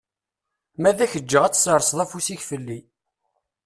Ma ad ak-ǧǧeɣ ad tesserseḍ afus-ik fell-i.